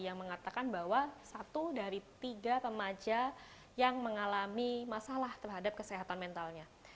yang mengatakan bahwa satu dari tiga remaja yang mengalami masalah terhadap kesehatan mentalnya